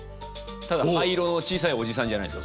ただ灰色の小さいおじさんじゃないですかそれ。